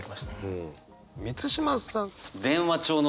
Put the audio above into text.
満島さん。